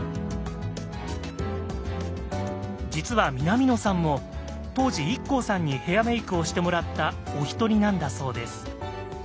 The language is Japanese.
実は南野さんも当時ＩＫＫＯさんにヘアメイクをしてもらったお一人なんだそうです。